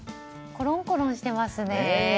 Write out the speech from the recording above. コロンコロンしていますね。